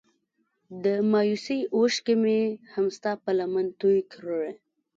د مايوسۍ اوښکې مې هم ستا په لمن توی کړې.